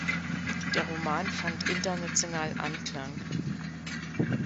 Der Roman fand international Anklang.